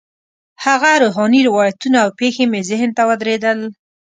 هغه روحاني روایتونه او پېښې مې ذهن ته ودرېدل.